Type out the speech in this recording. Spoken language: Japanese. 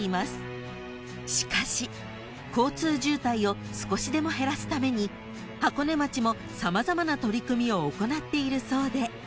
［しかし交通渋滞を少しでも減らすために箱根町も様々な取り組みを行っているそうで］